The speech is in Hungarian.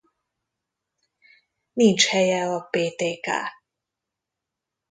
Nincs helye a Ptk.